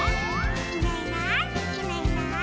「いないいないいないいない」